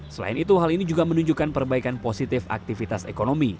selain itu hal ini juga menunjukkan perbaikan positif aktivitas ekonomi